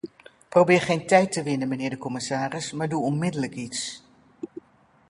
Probeer geen tijd te winnen, mijnheer de commissaris, maar doe onmiddellijk iets.